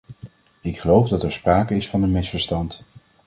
Ik geloof dat er sprake is van een misverstand.